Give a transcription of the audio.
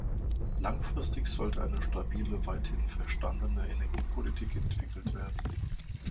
Langfristig sollte eine stabile, weithin verstandene Energiepolitik entwickelt werden.